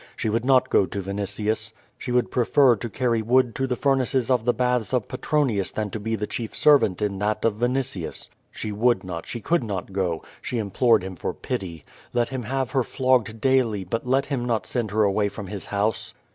She would not go to Vinitius. She would prefer to carry wood to the furnaces of the baths of Petronius than to be the chief servant in that of Vinitius. She would not, she could not go. She implored him for pity. Let him have her flogged daily, but let him not send her away from his house.